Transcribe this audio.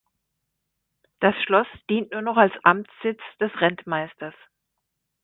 Das Schloss dient nur noch als Amtssitz des Rentmeisters.